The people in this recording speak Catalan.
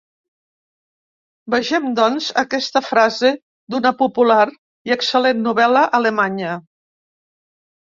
Vegem doncs aquesta frase d'una popular i excel·lent novel·la alemanya.